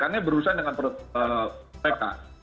karena berusaha dengan perut mereka